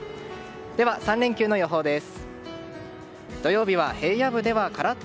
では３連休の予報です。